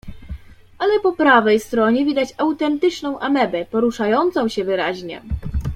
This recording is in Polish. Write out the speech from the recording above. "Ale po prawej stronie widać autentyczną amebę, poruszającą się wyraźnie."